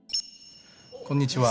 こんにちは。